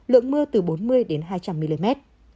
lượng mưa từ bốn mươi hai trăm linh mm